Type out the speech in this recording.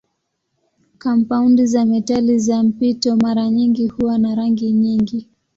Kampaundi za metali za mpito mara nyingi huwa na rangi nyingi.